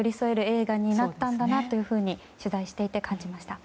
映画になったんだなと取材していて感じました。